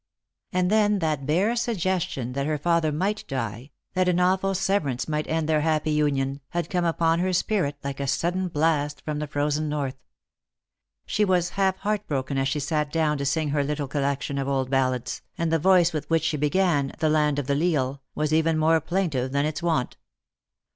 And then that bare suggestion that her father might die, that an awful severance might end their happy union, had come upon her spirit like a sudden blast from the frozen north. She was half heart bi oken as she sat down to sing her little collection of old ballads, and the voice with which she began the " Land of the Leal " was even more plaintive than its wont.